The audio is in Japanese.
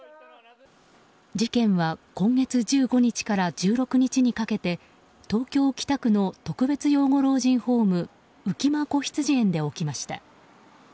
事件は今月１５日から１６日にかけて東京・北区の特別養護老人ホーム浮間こひつじ園で起きました。